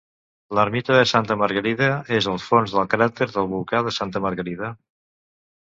L'ermita de Santa Margarida és al fons del cràter del volcà de Santa Margarida.